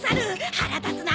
腹立つな！